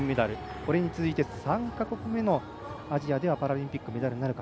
これに続いて３か国目のアジアではパラリンピックメダルなるか。